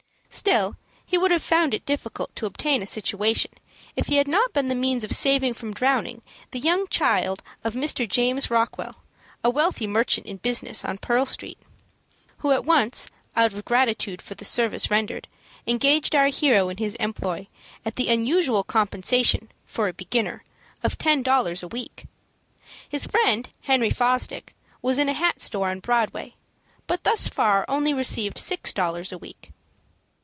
Still he would have found it difficult to obtain a situation if he had not been the means of saving from drowning the young child of Mr. James Rockwell, a wealthy merchant in business on Pearl Street, who at once, out of gratitude for the service rendered, engaged our hero in his employ at the unusual compensation, for a beginner, of ten dollars a week. His friend, Henry Fosdick, was in a hat store on Broadway, but thus far only received six dollars a week.